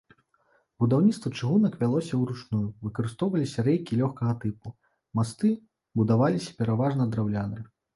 Будаўніцтва чыгунак вялося ўручную, выкарыстоўваліся рэйкі лёгкага тыпу, масты будаваліся пераважна драўляныя.